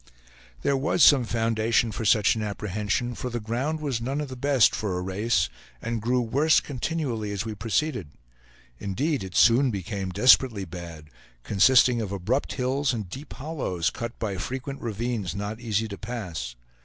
There was some foundation for such an apprehension, for the ground was none of the best for a race, and grew worse continually as we proceeded; indeed it soon became desperately bad, consisting of abrupt hills and deep hollows, cut by frequent ravines not easy to pass.